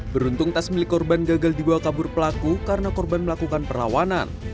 beruntung tas milik korban gagal dibawa kabur pelaku karena korban melakukan perlawanan